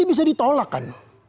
itu bisa ditolak kan